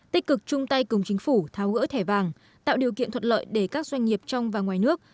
tích cực chung tay cùng chính phủ tháo gỡ thẻ vàng tạo điều kiện thuận lợi để các doanh nghiệp trong và ngoài nước